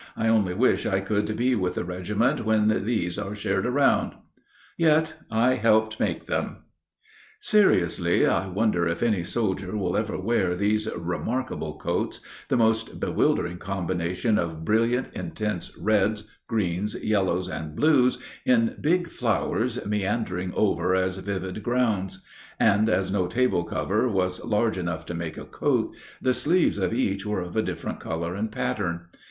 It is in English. I only wish I could be with the regiment when these are shared around." Yet I helped make them. Seriously, I wonder if any soldiers will ever wear these remarkable coats the most bewildering combination of brilliant, intense reds, greens, yellows, and blues in big flowers meandering over as vivid grounds; and as no table cover was large enough to make a coat, the sleeves of each were of a different color and pattern.